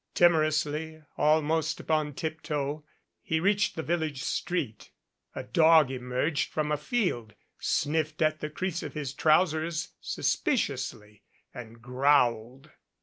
Timorously, almost upon tiptoe, he reached the village street. A dog emerged from a field, sniffed at the crease of his trousers suspiciously and growled.